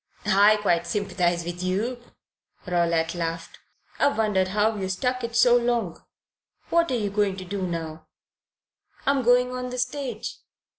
"I quite sympathize with you," Rowlatt laughed. "I've wondered how you stuck it so long. What are you going to do now?" "I'm going on the stage."